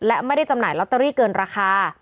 และไม่ได้จำหน่ายลอตเตอรี่เกินราคา